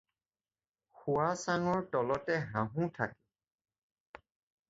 শোৱা চাঙৰ তলতে হাঁহো থাকে।